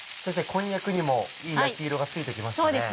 こんにゃくにもいい焼き色がついてきましたね。